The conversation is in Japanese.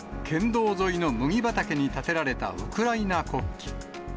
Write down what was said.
県道沿いの麦畑に立てられたウクライナ国旗。